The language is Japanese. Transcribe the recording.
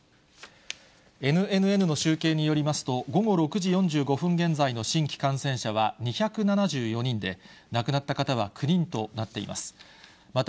ＮＮＮの集計によりますと、午後６時４５分現在の新規感染者は２７４人で、亡くなった方は９人となっています。